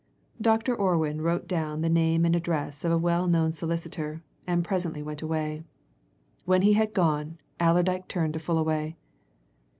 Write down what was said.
Dr. Orwin wrote down the name and address of a well known solicitor, and presently went away. When he had gone, Allerdyke turned to Fullaway.